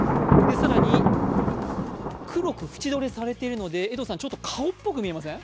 更に、黒く縁取りされているので、江藤さん、ちょっと顔っぽく見えません？